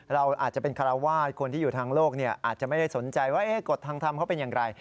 เราอาจจะเป็นคาราวาสคนที่อยู่ทางโลกอาจจะไม่ได้สนใจว่ากฎทางธรรมเขาเป็นอย่างไร